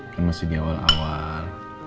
kan masih diawal awal